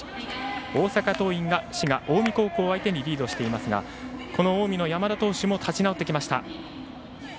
大阪桐蔭が滋賀・近江高校相手にリードしていますが近江の山田投手も立ち直ってきました。